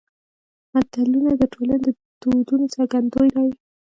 متلونه د ټولنې د دودونو څرګندوی دي